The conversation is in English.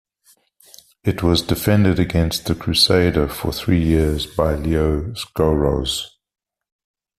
It was defended against the Crusaders for three years by Leo Sgouros.